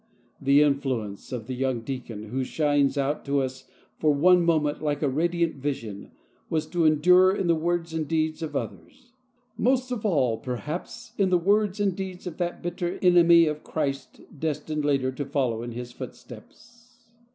The influence of the young deacon, who shines out to Us for one moment like a radiant vision, was to endure in the words and deeds of .^others; most of all, perhaps, in the words and ^4eeds of that bitter enemy of Christ, destined to follow in his footsteps.